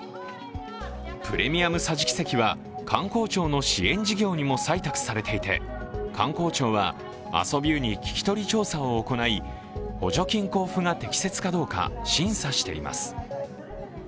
プレミア桟敷席は観光庁の支援事業にも採択されていて、観光庁はアソビューに聞き取り調査を行い、補助金交付が適切かどうか審査しています。